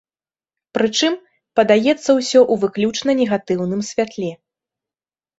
Прычым, падаецца ўсё ў выключна негатыўным святле.